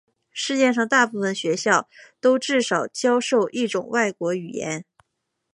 世界上大部分学校都至少教授一种外国语言。